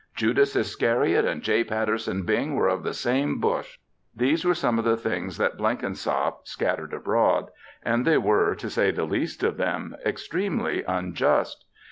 Judas Iscariot and J. Patterson Bing were off the same bush. These were some of the things that Blenkinsop scattered abroad and they were, to say the least of them, extremely unjust.